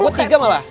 gue tiga malah